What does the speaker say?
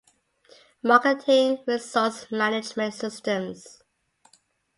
Marketing Resource Management systems.